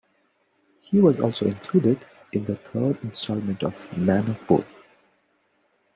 He was also included in the third installment of "Mano Po".